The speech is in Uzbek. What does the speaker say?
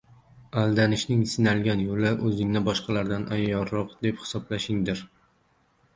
Aldanishning sinalgan yo‘li o‘zingni boshqalardan ayyorroq deb hisoblashingdir.